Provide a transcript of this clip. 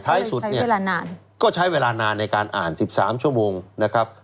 สุดเนี่ยก็ใช้เวลานานในการอ่าน๑๓ชั่วโมงนะครับ